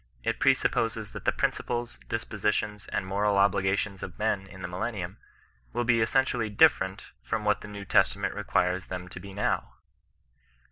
It presupposes that the principles, dispositions, and moral obligations of men in the millennium, will be essentially different from what the New Testament requires them to be now.